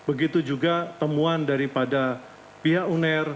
begitu juga temuan daripada pihak uner